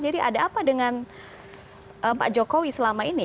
jadi ada apa dengan pak jokowi selama ini